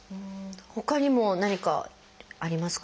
ほかにも何かありますか？